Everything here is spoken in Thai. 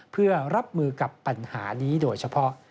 เพื่อรับมือกับปัญหานี้โดยเฉพาะ